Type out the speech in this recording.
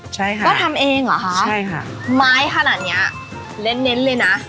ใช่ค่ะก็ทำเองเหรอคะใช่ค่ะไม้ขนาดเนี้ยเน้นเน้นเลยนะ